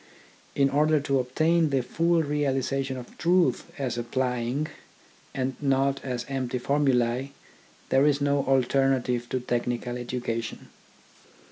In order to obtain the full realisation of truths as applying, and not as empty formulae, there is no alternative to technical education.